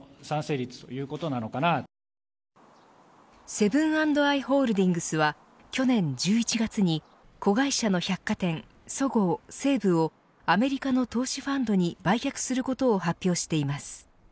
セブン＆アイ・ホールディングスは去年１１月に子会社の百貨店、そごう・西武をアメリカの投資ファンドに売却することを発表しています。